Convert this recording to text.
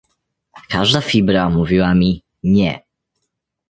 "Każda fibra mówiła mi: nie!"